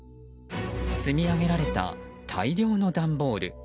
積み上げられた大量の段ボール。